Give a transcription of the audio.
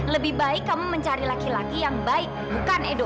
lebih baik kamu mencari laki laki yang baik bukan edo